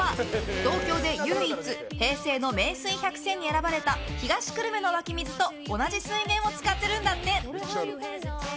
東京で唯一平成の名水百選に選ばれた東久留米の湧水と同じ水源を使ってるんだって。